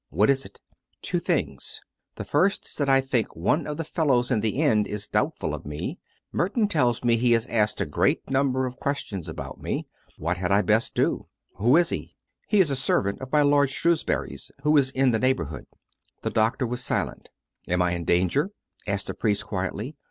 "What is it.;*" " Two things. The first is that I think one of the fellows in the inn is doubtful of me. Merton tells me he has asked a great number of questions about me. What had I best do?" "Who is he?" " He is a servant of my lord Shrewsbury's who is in the neighbourhood." The doctor was silent. " Am I in danger? " asked the priest quietly.